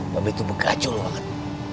mbak be itu bekacul banget